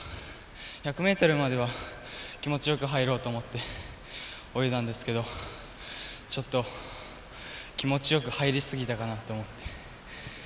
１００ｍまでは気持ちよく入ろうと思って泳いだんですけどちょっと、気持ちよく入りすぎたかなと思って。